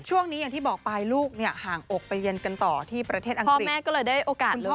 อย่างที่บอกไปลูกเนี่ยห่างอกไปเย็นกันต่อที่ประเทศอังกฤษแม่ก็เลยได้โอกาสเลย